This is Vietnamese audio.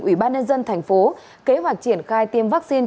ủy ban nhân dân thành phố kế hoạch triển khai tiêm vaccine